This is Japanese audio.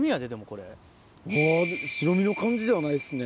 あぁ白身の感じではないですね。